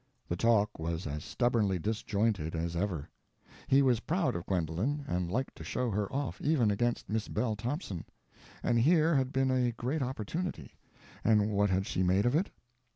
The talk was as stubbornly disjointed as ever. He was proud of Gwendolen, and liked to show her off, even against Miss Belle Thompson, and here had been a great opportunity, and what had she made of it?